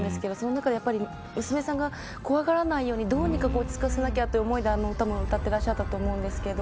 その中で、娘さんが怖がらないようにどうにか落ち着かせなきゃという思いがあの歌も歌っていたんだと思います。